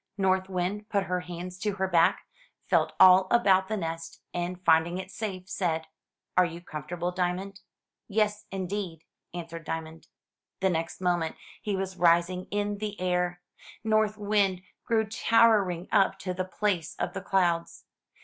North Wind put her hands to her back, felt all about the nest, and finding it safe, said: "Are you comfortable, Diamond?" "Yes, indeed," answered Diamond. 429 MY BOOK HOUSE The next moment he was rising in the air. North Wind grew towering up to the place of the clouds.